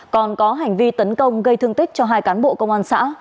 còn có hành vi tấn công gây thương tích cho hai cán bộ công an xã